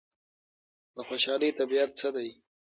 د خوشحالۍ طبیعت څه دی؟